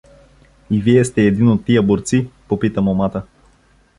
— И вие сте един от тия борци? — попита момата.